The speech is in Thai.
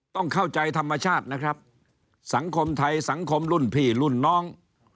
ต้องเข้าใจธรรมชาตินะครับสังคมไทยสังคมรุ่นพี่รุ่นน้อง